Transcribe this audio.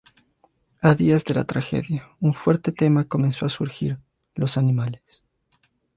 A días de la tragedia, un fuerte tema comenzó a surgir: los animales.